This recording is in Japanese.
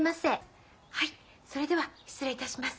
はいそれでは失礼いたします。